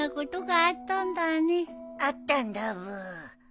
あったんだブー。